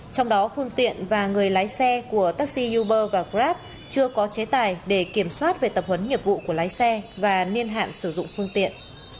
trong đó phương tiện và người lái xe của taxi uber và grab chưa có chế tài để kiểm soát về tập huấn nghiệp vụ của lái xe và niên hạn sử dụng phương tiện